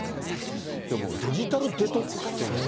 でも、デジタルデトックスっていうんですね。